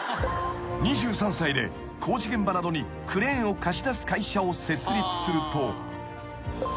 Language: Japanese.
［２３歳で工事現場などにクレーンを貸し出す会社を設立すると］